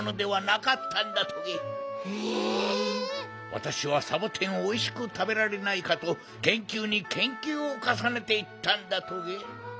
わたしはサボテンをおいしくたべられないかとけんきゅうにけんきゅうをかさねていったんだトゲ。